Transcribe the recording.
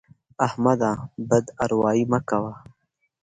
احمده! بد اروايي مه کوه.